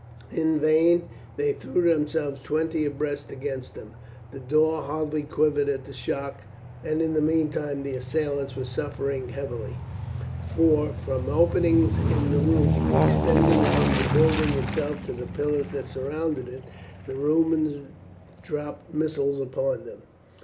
In vain they threw themselves twenty abreast against them. The doors hardly quivered at the shock, and in the meantime the assailants were suffering heavily, for from openings in the roof, extending from the building itself to the pillars that surrounded it, the Romans dropped missiles upon them.